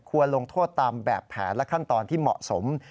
ลงโทษตามแบบแผนและขั้นตอนที่เหมาะสม